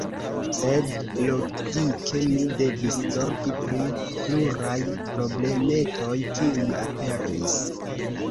Sed logike mi devis zorgi pri pluraj problemetoj, kiuj aperis.